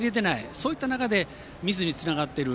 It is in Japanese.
そういった中でミスにつながっている。